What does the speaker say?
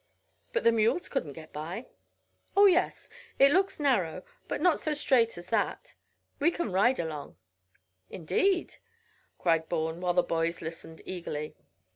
"But the mules couldn't get by?" "Oh yes; it looks narrow, but not so strait as that. We can ride along." "Indeed?" cried Bourne, while the boys listened eagerly.